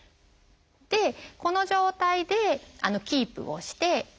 でこの状態でキープをして。